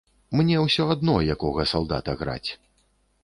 Мне ўсё адно, якога салдата граць.